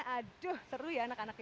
aduh seru ya anak anak ini